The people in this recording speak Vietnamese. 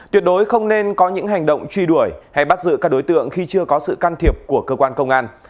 tuyệt đối không nên có những hành động truy đuổi hay bắt giữ các đối tượng khi chưa có sự can thiệp của cơ quan công an